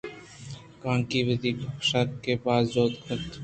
کانگی وتی گِیشینگے باز جُہد کنت